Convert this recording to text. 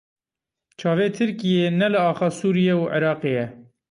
Çavê Tirkiyê ne li axa Sûriye û Iraqê ye.